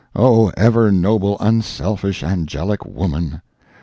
—O ever noble, unselfish, angelic woman!